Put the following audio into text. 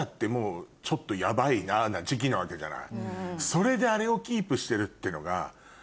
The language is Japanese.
それであれをキープしてるってのが。